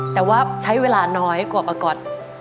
แต่ว่าใช้เวลาน้อยกว่าประก๊อต